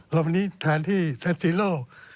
แล้ววันนี้แทนที่แซมสี่โล